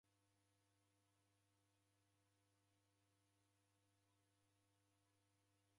Wongiria mzi ghwa W'andu ukakabwa.